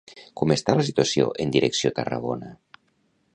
Com està la situació en direcció Tarragona?